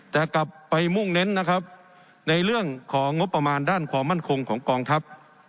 แต่กลับไปมุ่งเน้นนะครับในเรื่องของงบประมาณด้านความมั่นคงของกองทัพ